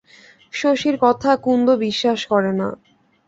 শশীর কথা কুন্দ বিশ্বাস করে না।